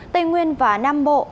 tây nguyên và nam bộ